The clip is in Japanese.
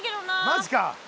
マジか。